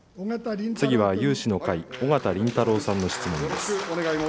次は有志の会、緒方林太郎さんの質問です。